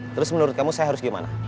terus menurut kamu saya harus gimana